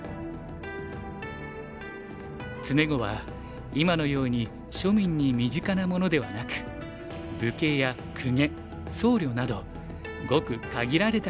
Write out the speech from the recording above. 詰碁は今のように庶民に身近なものではなく武家や公家僧侶などごく限られた人が楽しむものでした。